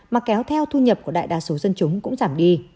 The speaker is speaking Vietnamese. mà kéo theo thu nhập của đại đa số dân chúng cũng giảm đi